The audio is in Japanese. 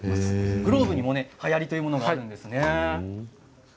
グローブにもはやりがあるんですね。